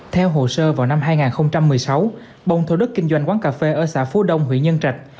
theo hồ sơ vào năm hai nghìn một mươi sáu bông thủ đức kinh doanh quán cà phê ở xã phú đông huyện nhân trạch